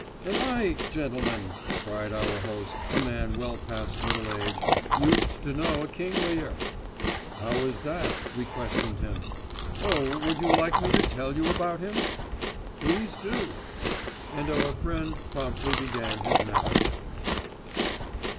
'And I, gentlemen,' cried our host, a man well past middle age, 'used to know a King Lear!' 'How was that?' we questioned him. 'Oh, would you like me to tell you about him?' 'Please do.' And our friend promptly began his narrative.